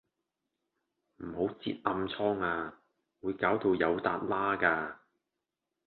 唔好擳暗瘡呀，會搞到有笪瘌架